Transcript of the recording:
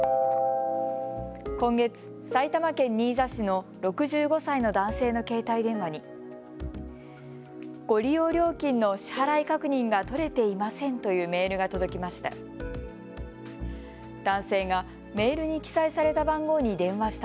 今月、埼玉県新座市の６５歳の男性の携帯電話にご利用料金の支払い確認が取れていませんというメールが届きました。